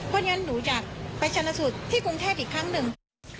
เพราะฉะนั้นหนูอยากไปชนสูตรที่กรุงเทพอีกครั้งหนึ่ง